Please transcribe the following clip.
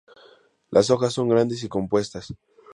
Las hojas son grandes y compuestas.